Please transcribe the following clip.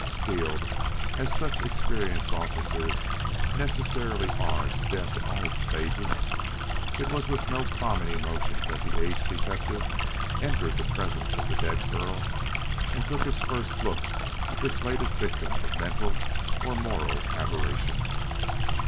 Steeled as such experienced officers necessarily are to death in all its phases, it was with no common emotion that the aged detective entered the presence of the dead girl and took his first look at this latest victim of mental or moral aberration.